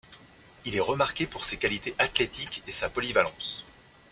Il est remarqué pour ses qualités athlétiques et sa polyvalence.